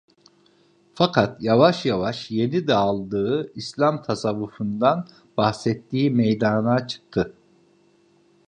Fakat yavaş yavaş, yeni daldığı İslam tasavvufundan bahsettiği meydana çıktı.